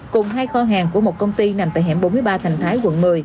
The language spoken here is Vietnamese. cùng hai kho hàng của một công ty nằm tại hẻm bốn mươi ba thành thái quận một mươi